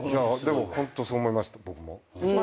でもホントそう思いました僕も。